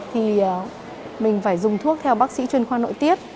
thì mình phải dùng thuốc theo bác sĩ chuyên khoa nội tiết